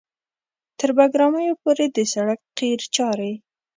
تر بګرامیو پورې د سړک قیر چارې